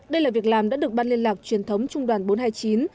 đây là việc làm đã được ban liên lạc truyền thống trung đoàn bốn trăm hai mươi chín